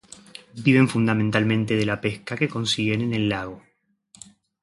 Viven fundamentalmente de la pesca que consiguen en el lago.